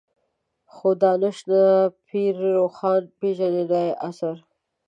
خو دانش نه پير روښان پېژني نه يې عصر.